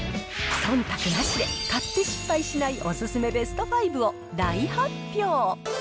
そんたくなしで、買って失敗しないお勧めベスト５を大発表。